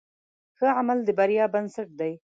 ښه عمل د بریا بنسټ دی.